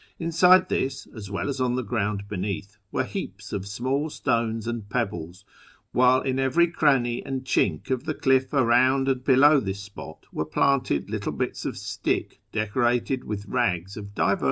Inside this, as well as on the ground beneath, were heaps of small stones and pebbles ; while in every cranny and chink of the cliff around and below this spot were planted little bits of stick decorated with rags of divers colours placed there by pious passers by.